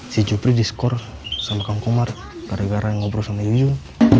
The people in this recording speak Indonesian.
si jupri diskor sama kang komar gara gara ngobrol sama yuyun